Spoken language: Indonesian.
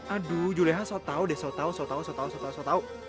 aduh juleha sotau deh sotau sotau sotau sotau sotau